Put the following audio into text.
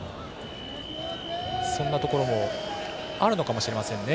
そんなところもあるのかもしれませんね。